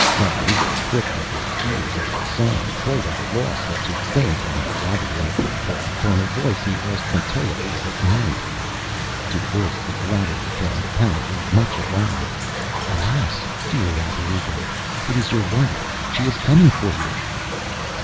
Roderigo pricked up his ears at the sound, quite at a loss what to think, and rather in a perturbed tone of voice he asked Matteo what it meant. To this the latter returned, apparently much alarmed: ŌĆ£Alas! dear Roderigo, it is your wife; she is coming for you!